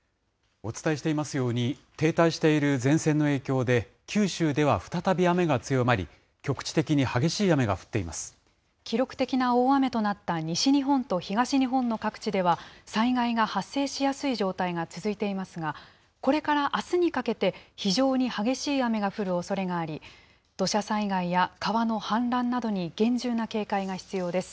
お伝えしていますように、停滞している前線の影響で、九州では再び雨が強まり、記録的な大雨となった西日本と東日本の各地では、災害が発生しやすい状態が続いていますが、これからあすにかけて、非常に激しい雨が降るおそれがあり、土砂災害や川の氾濫などに厳重な警戒が必要です。